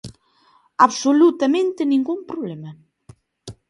¡Absolutamente ningún problema!